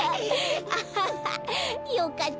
アハハよかった。